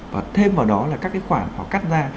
và thêm vào đó là các cái khoản họ cắt ra